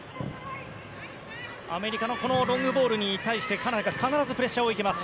アメリカのロングボールに対してカナダが必ずプレッシャーにいきます。